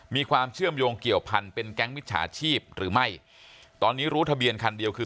มีความเชื่อมโยงเกี่ยวพันธุ์เป็นแก๊งมิจฉาชีพหรือไม่ตอนนี้รู้ทะเบียนคันเดียวคือ